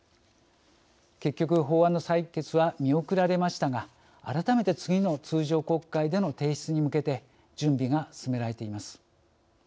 結局法案の採決は見送られましたが改めて次の通常国会での提出に向けて準備が進められています。